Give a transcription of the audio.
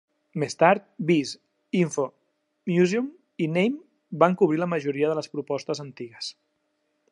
Més tard, biz, info, museum i name van cobrir la majoria de les propostes antigues.